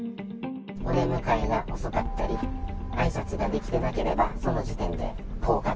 お出迎えが遅かったり、あいさつができてなければ、その時点で降格。